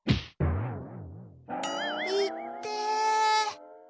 いってえ。